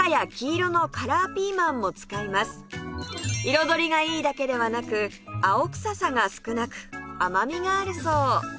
彩りがいいだけではなく青臭さが少なく甘みがあるそう